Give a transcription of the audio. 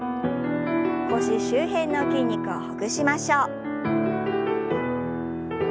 腰周辺の筋肉をほぐしましょう。